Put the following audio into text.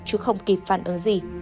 chứ không kịp phản ứng gì